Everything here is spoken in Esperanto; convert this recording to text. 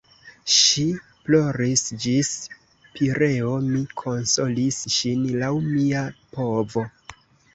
Ŝi ploris ĝis Pireo, mi konsolis ŝin laŭ mia povo.